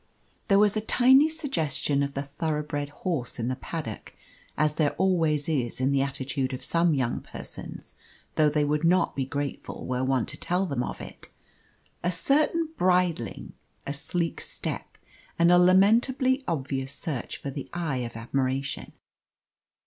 There was a tiny suggestion of the thoroughbred horse in the paddock as there always is in the attitude of some young persons, though they would not be grateful were one to tell them of it a certain bridling, a sleek step, and a lamentably obvious search for the eye of admiration.